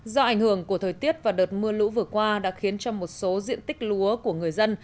do ảnh hưởng của thời tiết và đợt mưa lũ vừa qua đã khiến cho một số diện tích lúa của người dân